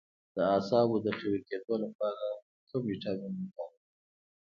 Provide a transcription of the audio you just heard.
د اعصابو د قوي کیدو لپاره کوم ویټامین وکاروم؟